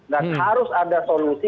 dan harus ada solusi